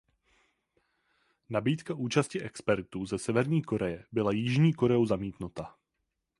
Nabídka účasti expertů ze Severní Koreje byla Jižní Koreou zamítnuta.